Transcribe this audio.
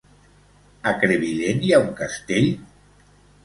A Crevillent hi ha un castell?